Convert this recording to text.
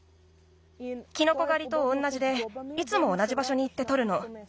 キノコがりとおんなじでいつもおなじばしょにいってとるの。